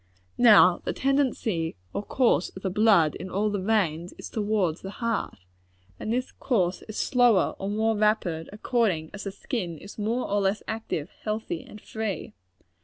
Now the tendency or course of the blood in all the veins, is towards the heart; and this course is slower or more rapid, according as the skin is more or less active, healthy and free.